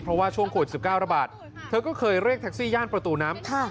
เพราะว่าช่วงโควิด๑๙ระบาดเธอก็เคยเรียกแท็กซี่ย่านประตูน้ำ